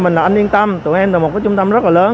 mình anh yên tâm tụi em là một cái trung tâm rất là lớn